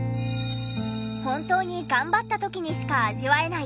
本当に頑張った時にしか味わえない